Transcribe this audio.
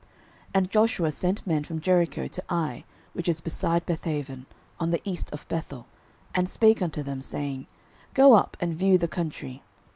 06:007:002 And Joshua sent men from Jericho to Ai, which is beside Bethaven, on the east of Bethel, and spake unto them, saying, Go up and view the country.